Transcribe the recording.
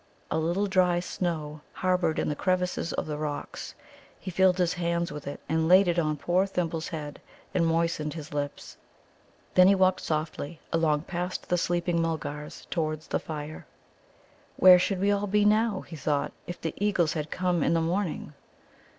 A little dry snow harboured in the crevices of the rocks. He filled his hands with it, and laid it on poor Thimble's head and moistened his lips. Then he walked softly along past the sleeping Mulgars towards the fire. Where should we all be now, he thought, if the eagles had come in the morning?